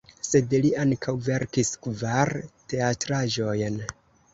Sed li ankaŭ verkis kvar teatraĵojn.